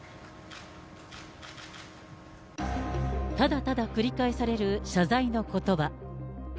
ただただ繰り返される謝罪のことば。